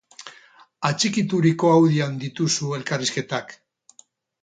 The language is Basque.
Atxikituriko audioan dituzu elkarrizketak!